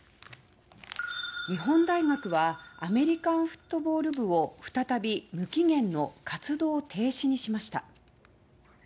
日本大学はアメリカンフットボール部を再び無期限の活動停止にしました。